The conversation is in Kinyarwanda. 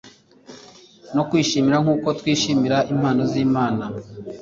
no kwishimira Nkuko twishimira impano zImana